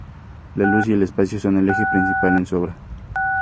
La luz y el espacio son el eje principal en su obra.